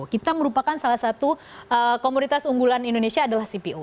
kita merupakan salah satu komoditas unggulan indonesia adalah cpo